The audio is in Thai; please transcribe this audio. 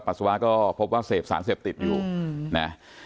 ปัสสาวะก็พบว่าเสพสารเสพติดอยู่นะ